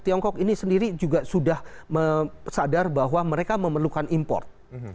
tiongkok ini sendiri juga sudah sadar bahwa mereka memerlukan import